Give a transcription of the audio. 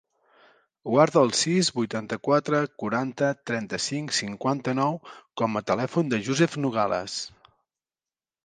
Guarda el sis, vuitanta-quatre, quaranta, trenta-cinc, cinquanta-nou com a telèfon del Yousef Nogales.